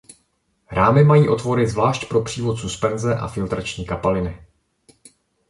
Rámy mají otvory zvlášť pro přívod suspenze a filtrační kapaliny.